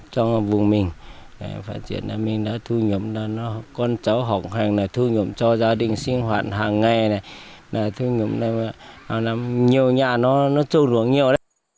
trong vùng mình phát triển là mình đã thu nhập con cháu học hàng này thu nhập cho gia đình sinh hoạt hàng ngày này thu nhập này nhiều nhà nó trôi ruộng nhiều đấy